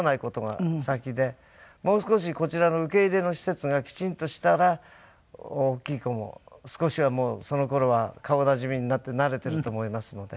もう少しこちらの受け入れの施設がきちんとしたら大きい子も少しはもうその頃は顔なじみになって慣れてると思いますので。